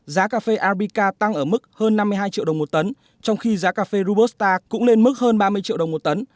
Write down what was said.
giá cà phê arbica tăng ở mức hơn năm mươi hai triệu đồng một tấn trong khi giá cà phê rubostar cũng lên mức hơn ba mươi triệu đồng một tấn